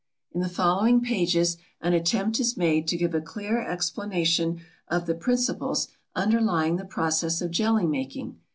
In the following pages an attempt is made to give a clear explanation of the principles underlying the process of jelly making.